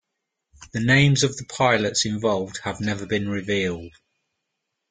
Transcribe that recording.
The names of the pilots involved have never been revealed.